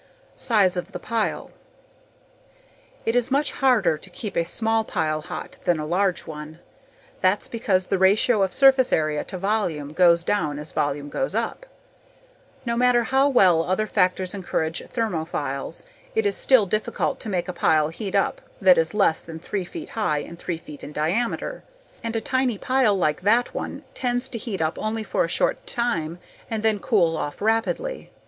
Size of the pile. It is much harder to keep a small object hot than a large one. That's because the ratio of surface area to volume goes down as volume goes up. No matter how well other factors encourage thermophiles, it is still difficult to make a pile heat up that is less than three feet high and three feet in diameter. And a tiny pile like that one tends to heat only for a short time and then cool off rapidly.